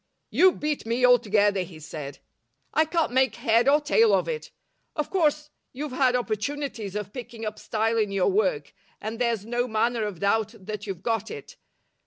"You beat me altogether," he said. "I can't make head or tail of it. Of course, you've had opportunities of picking up style in your work, and there's no manner of doubt that you've got it.